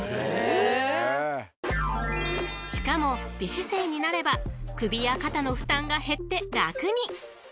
［しかも美姿勢になれば首や肩の負担が減って楽に］